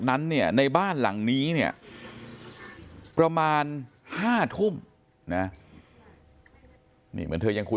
นั้นเนี่ยในบ้านหลังนี้เนี่ยประมาณ๕ทุ่มนะนี่เหมือนเธอยังคุย